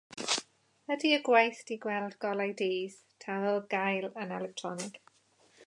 Ydi'r gwaith 'di gweld golau dydd, ta ar gael yn electronig?